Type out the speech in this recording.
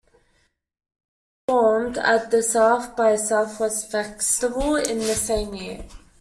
The band performed at the South by Southwest festival in the same year.